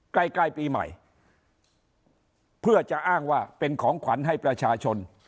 ใกล้ใกล้ปีใหม่เพื่อจะอ้างว่าเป็นของขวัญให้ประชาชน